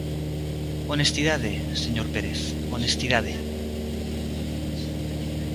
Honestidade, señor Pérez, honestidade.